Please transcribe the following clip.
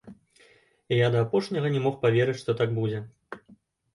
І я да апошняга не мог паверыць, што так будзе.